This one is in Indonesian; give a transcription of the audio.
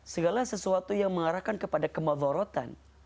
segala sesuatu yang mengarahkan kepada kemadhorotan